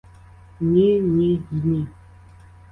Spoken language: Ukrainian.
Ні, ні й ні!